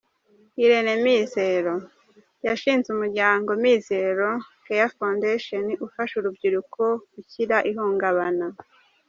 Irene Mizero: Yashinze Umuryango Mizero Care Foundation, ufasha urubyiruko gukira ihungabana.